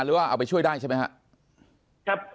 หรือว่าเอาไปช่วยได้ใช่ไหมครับ